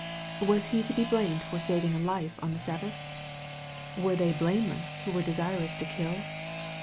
Was He to be blamed for saving a life on the Sabbath ? Were they blameless who were desirous to kill